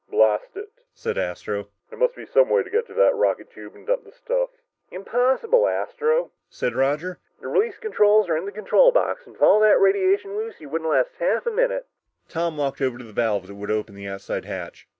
"Blast it," said Astro, "there must be some way to get to that rocket tube and dump that stuff!" "Impossible, Astro," said Roger. "The release controls are in the control box, and with all that radiation loose, you wouldn't last half a minute!" Tom walked over to the valve that would open the outside hatch.